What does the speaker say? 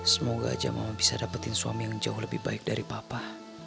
semoga aja mama bisa dapetin suami yang jauh lebih baik dari papa